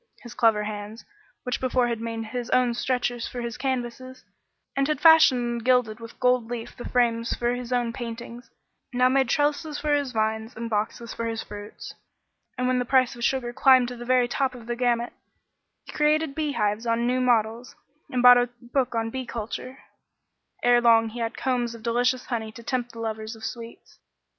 His clever hands, which before had made his own stretchers for his canvases, and had fashioned and gilded with gold leaf the frames for his own paintings, now made trellises for his vines and boxes for his fruits, and when the price of sugar climbed to the very top of the gamut, he created beehives on new models, and bought a book on bee culture; ere long he had combs of delicious honey to tempt the lovers of sweets.